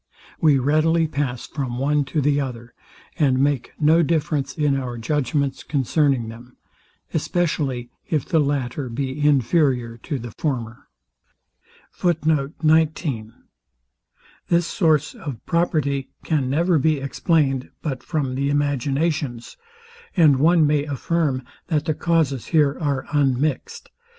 We readily pass from one to the other, and make no difference in our judgments concerning them; especially if the latter be inferior to the former. This source of property can never be explained but from the imaginations; and one may affirm, that the causes are here unmixed.